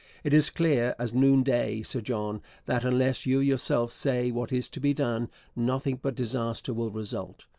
It is clear as noon day, Sir John, that unless you yourself say what is to be done, nothing but disaster will result.